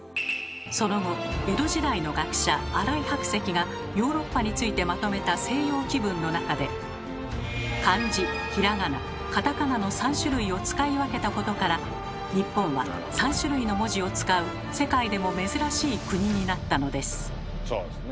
その後江戸時代の学者新井白石がヨーロッパについてまとめた「西洋紀聞」の中で漢字・ひらがな・カタカナの３種類を使い分けたことから日本は３種類の文字を使う世界でも珍しい国になったのです。